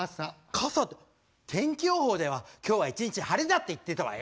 傘って天気予報では今日は一日晴れだって言ってたわよ。